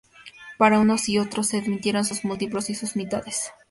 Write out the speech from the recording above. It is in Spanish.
Para unos y otros se admitieron sus múltiplos y sus mitades.